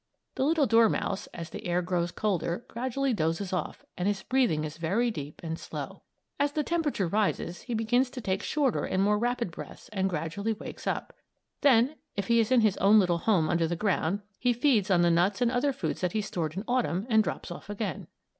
The little dormouse, as the air grows colder, gradually dozes off, and his breathing is very deep and slow. As the temperature rises, he begins to take shorter and more rapid breaths and gradually wakes up. Then, if he is in his own little home under the ground, he feeds on the nuts and other foods that he stored in Autumn and drops off again.